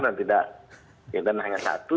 dan tidak ya kan hanya satu